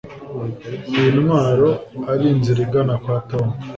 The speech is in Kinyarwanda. iyi ntabwo ari inzira igana kwa tom